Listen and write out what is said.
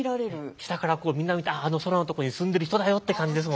下からこうみんな見てあああの空の所に住んでる人だよって感じですもんね。